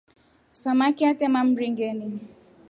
Samaki atema mringeni.